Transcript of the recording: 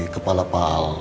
kepala pak al